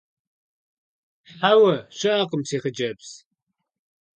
Хьэуэ, щыӏэкъым, си хъыджэбз.